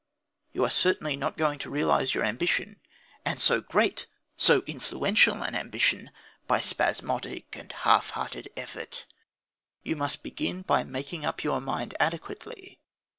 You are certainly not going to realise your ambition and so great, so influential an ambition! by spasmodic and half hearted effort. You must begin by making up your mind adequately.